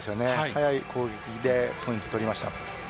速い攻撃でポイントを取りました。